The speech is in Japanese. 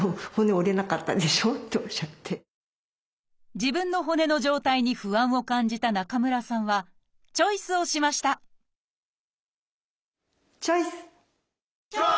自分の骨の状態に不安を感じた中村さんはチョイスをしましたチョイス！